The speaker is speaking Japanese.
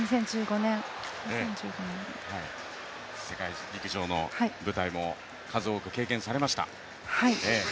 世界陸上の舞台も数多く経験されました。